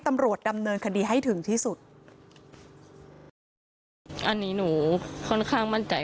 ตำรวจดำเนินคดีให้ถึงที่สุดอันนี้หนูค่อนข้างมั่นใจ